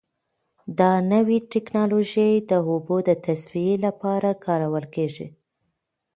دا نوې ټیکنالوژي د اوبو د تصفیې لپاره کارول کیږي.